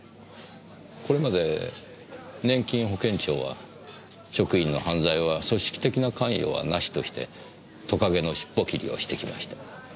これまで年金保険庁は職員の犯罪は組織的な関与はなしとしてトカゲの尻尾切りをしてきました。